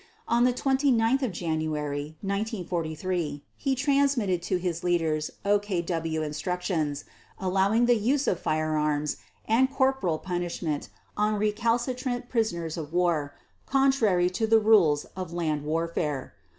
On 29 January 1943 he transmitted to his leaders OKW instructions allowing the use of firearms, and corporal punishment on recalcitrant prisoners of war, contrary to the Rules of Land Warfare.